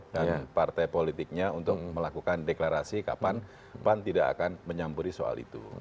dan partai politiknya untuk melakukan deklarasi kapan pan tidak akan menyambut di soal itu